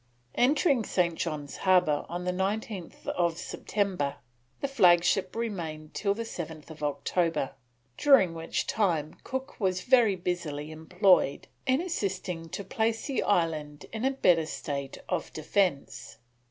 Entering St. John's Harbour on 19th September, the flagship remained till 7th October, during which time Cook was very busily employed in assisting to place the island in a better state of defence.